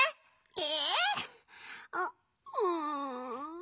え？